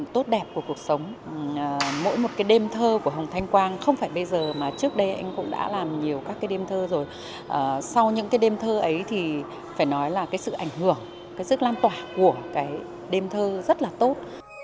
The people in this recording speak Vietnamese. tốt đẹp của cuộc sống mỗi một cái đêm thơ của hồng thanh quang không phải bây giờ mà trước đây anh cũng đã làm nhiều các cái đêm thơ rồi sau những cái đêm thơ ấy thì phải nói là cái sự ảnh hưởng cái sức lan tỏa của cái đêm thơ rất là tốt